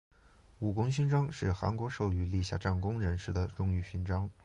武功勋章是韩国授予立下战功人士的荣誉勋章。